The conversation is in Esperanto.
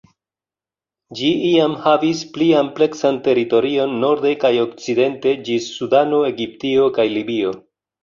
Ĝi iam havis pli ampleksan teritorion norde kaj okcidente ĝis Sudano, Egiptio, kaj Libio.